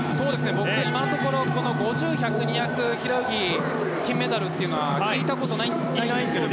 今のところ、５０ｍ１００ｍ、２００ｍ金メダルっていうのは聞いたことがないんですよ。